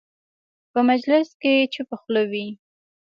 په مجلس کې چوپه خوله وي.